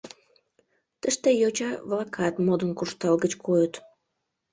Тыште йоча-влакат модын куржталгыч койыт.